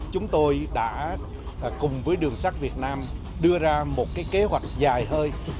chúng tôi đã cùng với đường sắt việt nam đưa ra một kế hoạch dài hơi